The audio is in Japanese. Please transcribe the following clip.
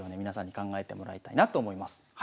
皆さんに考えてもらいたいなと思います。